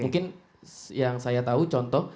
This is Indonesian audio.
mungkin yang saya tahu contoh